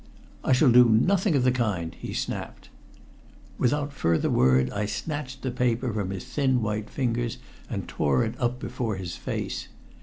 "I shall do nothing of the kind!" he snapped. Without further word I snatched the paper from his thin white fingers and tore it up before his face.